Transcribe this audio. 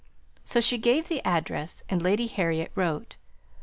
So she gave the address, and Lady Harriet wrote.